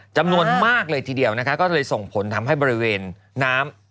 จำนวนมากเลยทีเดียวนะคะก็เลยส่งผลทำให้บริเวณน้ำ